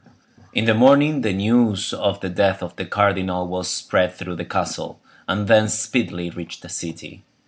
In the morning, the news of the death of the cardinal was spread through the castle, and thence speedily reached the city.